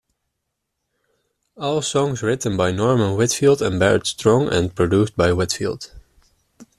All songs written by Norman Whitfield and Barrett Strong and produced by Whitfield.